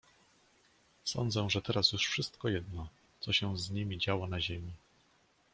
"Sądzę, że teraz już wszystko jedno, co się z niemi działo na ziemi."